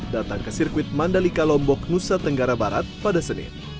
datang ke sirkuit mandalika lombok nusa tenggara barat pada senin